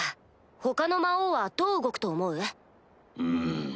他の魔王はどう動くと思う？